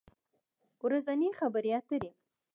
ورځنۍ خبری اتری